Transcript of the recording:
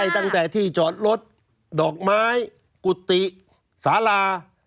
ตั้งแต่ที่จอดรถดอกไม้กุฏิสารา